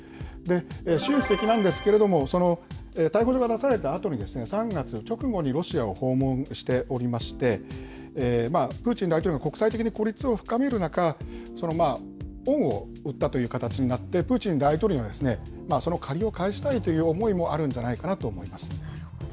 習主席なんですけれども、その逮捕状が出されたあとに、３月直後にロシアを訪問しておりまして、プーチン大統領が国際的に孤立を深める中、恩を売ったという形になって、プーチン大統領にはその借りを返したいという思いもあるんじゃななるほど。